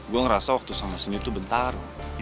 gue ngerasa waktu sama sini tuh bentar